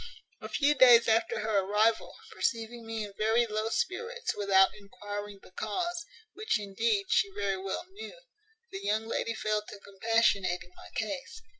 "A few days after her arrival, perceiving me in very low spirits, without enquiring the cause, which, indeed, she very well knew, the young lady fell to compassionating my case.